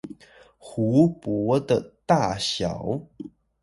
湖泊的大小